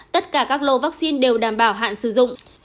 tất cả các lô vaccine đều đảm bảo hạn sử dụng